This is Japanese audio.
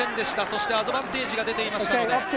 そしてアドバンテージが出ていました。